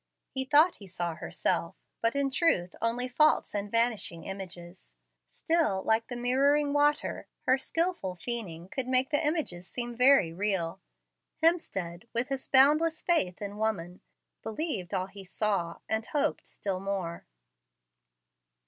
He thought he saw herself, but in truth only false and vanishing images. Still, like the mirroring water, her skilful feigning could make the images seem very real. Hemstead, with his boundless faith in woman, believed all he saw, and hoped still more.